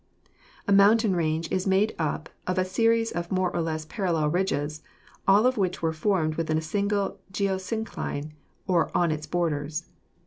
A mountain range is made up of a series of more or less parallel ridges, all of which were formed within a single geosyncline or on its borders.